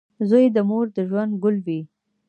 • زوی د مور د ژوند ګل وي.